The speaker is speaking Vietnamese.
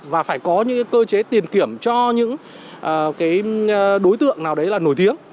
và phải có những cơ chế tiền kiểm cho những đối tượng nào đấy là nổi tiếng